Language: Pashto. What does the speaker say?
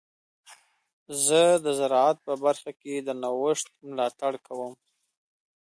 زه د زراعت په برخه کې د نوښت ملاتړ کوم.